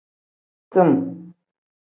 Tim.